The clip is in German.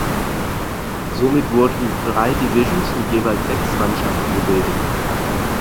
Somit wurden drei Divisions mit jeweils sechs Mannschaften gebildet.